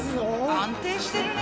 安定してるね。